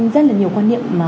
rất là nhiều quan niệm